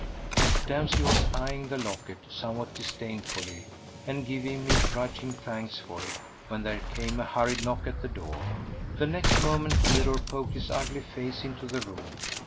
The damsel was eyeing the locket somewhat disdainfully and giving me grudging thanks for it when there came a hurried knock at the door. The next moment Theodore poked his ugly face into the room.